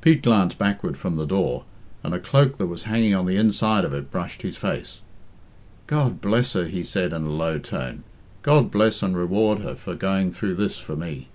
Pete glanced backward from the door, and a cloak that was hanging on the inside of it brushed his face. "God bless her!" he said in a low tone. "God bless and reward her for going through this for me!"